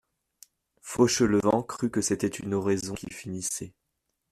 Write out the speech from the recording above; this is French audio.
Fauchelevent crut que c'était une oraison qui finissait.